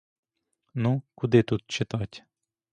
Ну, куди тут читать.